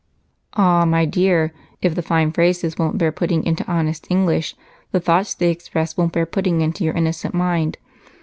"Ah, my dear, if the fine phrases won't bear putting into honest English, the thoughts they express won't bear putting into your innocent mind!